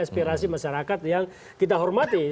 aspirasi masyarakat yang kita hormati